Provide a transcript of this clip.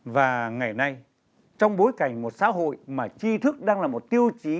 và ngày nay trong bối cảnh một xã hội mà chi thức đang là một tiêu chí